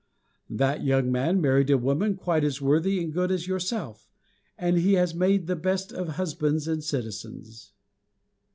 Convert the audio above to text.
That young man married a woman quite as worthy and good as yourself, and he has made the best of husbands and citizens.